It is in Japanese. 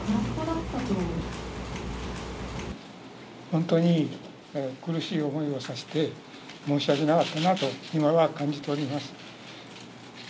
本当に苦しい思いをさせて申し訳なかったなと、今は感じております。